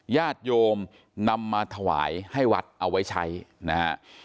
ญาติโยมนำมาถวายให้วัดเอาไว้ใช้นะฮะ